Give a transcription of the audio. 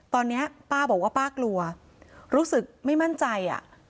ตอนนี้ป้าบอกว่าป้ากลัวรู้สึกไม่มั่นใจอ่ะ